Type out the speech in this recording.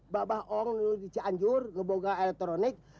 bapak om dulu di cianjur ngebongkar elektronik